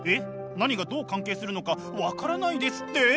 何がどう関係するのか分からないですって？